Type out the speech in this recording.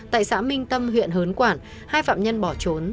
tại xã minh tâm huyện hớn quản hai phạm nhân bỏ trốn